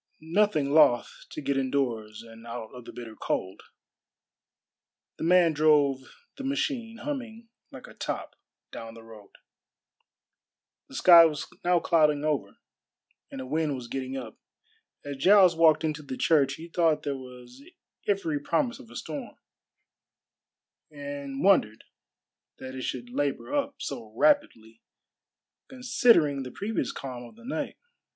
Nothing loth to get indoors and out of the bitter cold, the man drove the machine, humming like a top, down the road. The sky was now clouding over, and a wind was getting up. As Giles walked into the church he thought there was every promise of a storm, and wondered that it should labor up so rapidly considering the previous calm of the night.